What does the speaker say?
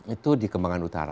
itu di kembangan utara